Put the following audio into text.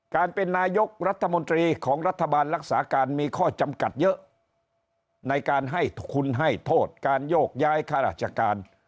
การเป็นนายกรัฐมนตรีของรัฐบาลรักษาการมีข้อจำกัดเยอะในการให้คุณให้โทษการโยกย้ายข้าราชการ